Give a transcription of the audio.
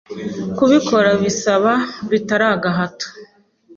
kubikora bisaba bitari agahato